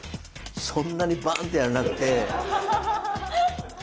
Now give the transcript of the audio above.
そんなにバーンってやらなくて。